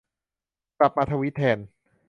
กลับมาทวีตแทน